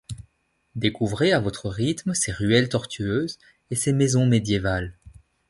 Découvrez à votre rythme ses ruelles tortueuses et ses maisons médiévales.